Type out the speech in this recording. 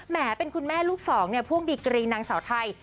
แหมเป็นคุณแม่ลูกสองพ่วงดีกรีงนางเสาไทย